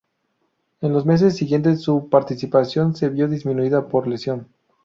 En los meses siguientes su participación se vio disminuida por lesión.